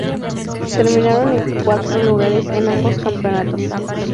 Terminaron en cuarto lugar en ambos campeonatos.